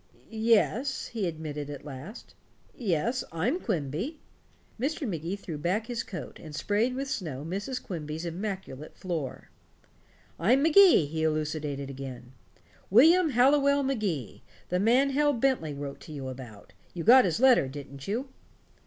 "Yes," he admitted at last. "Yes, I'm Quimby." Mr. Magee threw back his coat, and sprayed with snow Mrs. Quimby's immaculate floor. "I'm Magee," he elucidated again, "William Hallowell Magee, the man Hal Bentley wrote to you about. You got his letter, didn't you?"